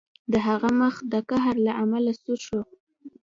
د هغه مخ د قهر له امله سور شو